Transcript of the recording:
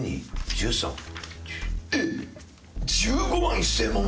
１５万１０００円！